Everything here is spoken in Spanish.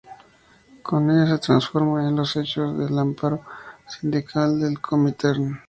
Con ello se transforma en los hechos en el aparato sindical del Comintern.